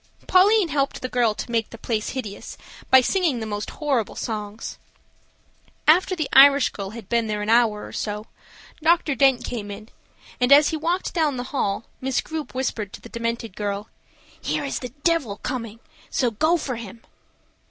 Pauline helped the girl to make the place hideous by singing the most horrible songs. After the Irish girl had been there an hour or so, Dr. Dent came in, and as he walked down the hall, Miss Grupe whispered to the demented girl, "Here is the devil coming, go for him."